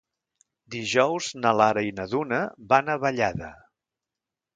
Dijous na Lara i na Duna van a Vallada.